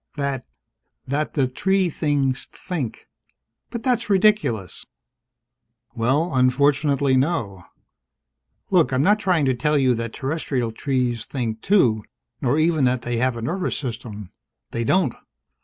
"That that the tree things think!" "But that's ridiculous!" "Well, unfortunately, no. Look, I'm not trying to tell you that terrestrial trees think, too, nor even that they have a nervous system. They don't.